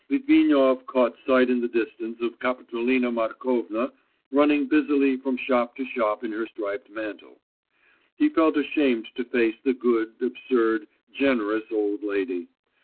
Litvinov caught sight in the distance of Kapitolina Markovna running busily from shop to shop in her striped mantle.... He felt ashamed to face the good, absurd, generous old lady.